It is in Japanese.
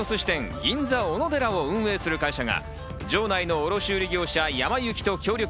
銀座おのでらを運営する会社が場内の卸売業者・やま幸と協力。